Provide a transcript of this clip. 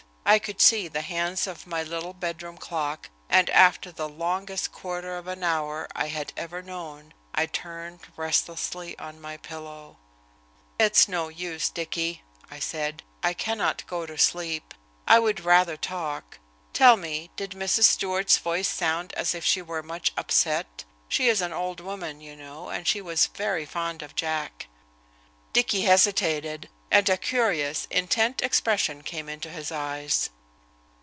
I could see the hands of my little bedroom clock, and after the longest quarter of an hour I had ever known I turned restlessly on my pillow. "It's no use, Dicky," I said, "I cannot go to sleep. I would rather talk. Tell me, did Mrs. Stewart's voice sound as if she were much upset? She is an old woman, you know, and she was very fond of Jack." Dicky hesitated, and a curious, intent expression came into his eyes.